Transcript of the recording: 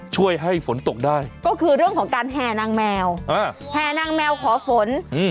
ช่วยให้ฝนตกได้ก็คือเรื่องของการแห่นางแมวแห่นางแมวขอฝน